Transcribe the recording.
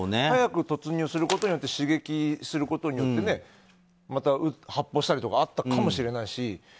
早く突入することによって刺激することによってまた発砲したりとかあったかもしれないし